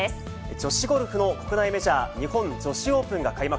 女子ゴルフの国内メジャー日本女子オープンが開幕。